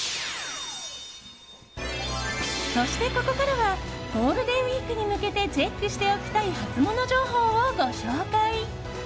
そして、ここからはゴールデンウィークに向けてチェックしておきたいハツモノ情報をご紹介。